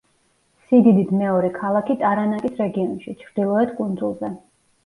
სიდიდით მეორე ქალაქი ტარანაკის რეგიონში, ჩრდილოეთ კუნძულზე.